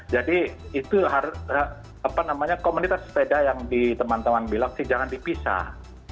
jadi komunitas sepeda yang teman teman bilang jangan dipisah